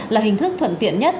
là hình thức thuận tiện nhất